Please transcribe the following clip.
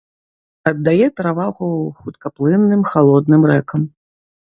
Аддае перавагу хуткаплынным халодным рэкам.